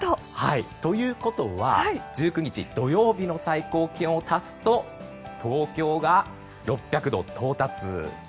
ということは、１９日土曜日の最高気温を足すと東京が６００度到達。